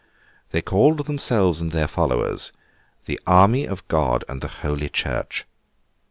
They called themselves and their followers, 'The army of God and the Holy Church.